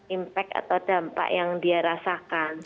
impact atau dampak yang dia rasakan